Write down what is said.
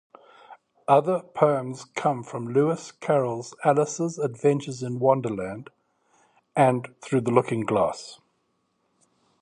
Other poems come from Lewis Carroll's "Alice's Adventures in Wonderland" and "Through the Looking-Glass".